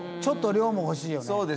ちょっと量も欲しいよね。